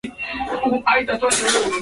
mwandishi wetu dennis ingoro anaelezea zaidi